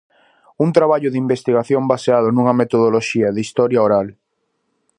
Un traballo de investigación baseado nunha metodoloxía de historia oral.